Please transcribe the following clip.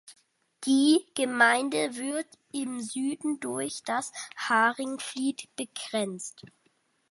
Die Gemeinde wird im Süden durch das Haringvliet begrenzt.